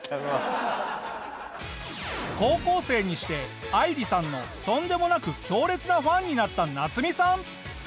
高校生にして愛理さんのとんでもなく強烈なファンになったナツミさん。